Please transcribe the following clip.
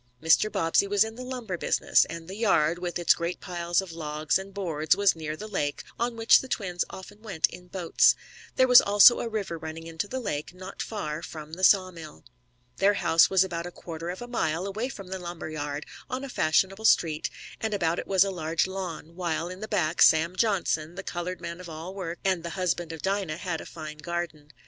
Mr. Bobbsey was in the lumber business, and the yard, with its great piles of logs and boards, was near the lake, on which the twins often went in boats. There was also a river running into the lake, not far from the saw mill. Their house was about a quarter of a mile away from the lumber yard, on a fashionable street, and about it was a large lawn, while in the back Sam Johnson, the colored man of all work, and the husband of Dinah, had a fine garden.